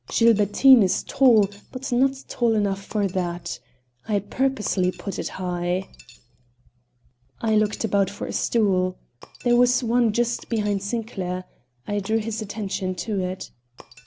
Gilbertine is tall, but not tall enough for that. I purposely put it high." I looked about for a stool. There was one just behind Sinclair. I drew his attention to it.